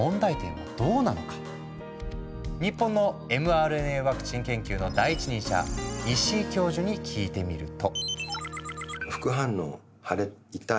日本のｍＲＮＡワクチン研究の第一人者石井教授に聞いてみると。